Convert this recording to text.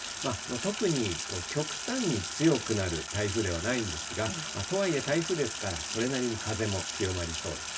特に極端に強くなる台風ではないんですが、とはいえ台風ですから、それなりに風も強まりそうです。